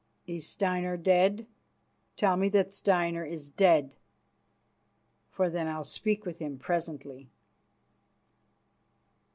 Is Steinar dead? Tell me that Steinar is dead, for then I'll speak with him presently."